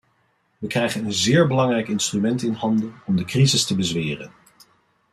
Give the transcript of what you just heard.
We krijgen een zeer belangrijk instrument in handen om de crisis te bezweren.